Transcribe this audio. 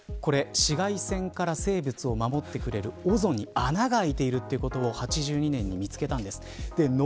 紫外線から生物を守ってくれるオゾンに穴が開いていることを１９８２年に見つけたんです。